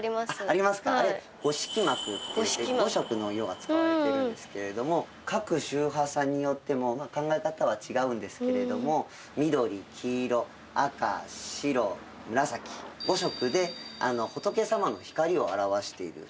あれ五色幕っていって５色の色が使われているんですけれども各宗派さんによっても考え方は違うんですけれども緑黄色赤白紫５色で仏様の光を表している。